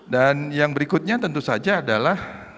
dan yang berikutnya tentu saja adalah